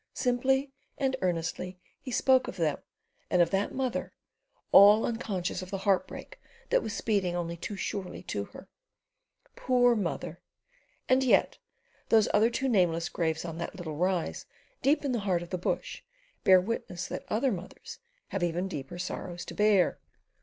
Simply and earnestly he spoke of them and of that mother, all unconscious of the heartbreak that was speeding only too surely to her. Poor mother! And yet those other two nameless graves on that little rise deep in the heart of the bush bear witness that other mothers have even deeper sorrows to bear.